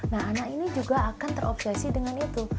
nah anak ini juga akan terobsesi dengan itu